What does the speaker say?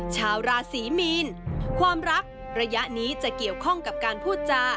ชาวราศีมีนความรักระยะนี้จะเกี่ยวข้องกับการพูดจา